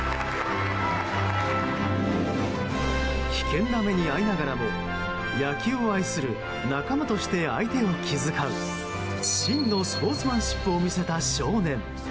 危険な目に遭いながらも野球を愛する仲間として相手を気遣う真のスポーツマンシップを見せた少年。